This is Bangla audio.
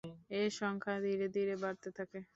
এ সংখ্যা ধীরে ধীরে বাড়তে থাকে।